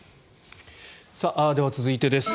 では、続いてです。